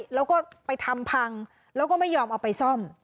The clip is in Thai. แล้วก็ไปทำพังแล้วก็ไม่ยอมเอาไปซ่อม